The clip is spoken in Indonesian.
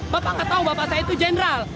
bapak gak tau bapak saya itu general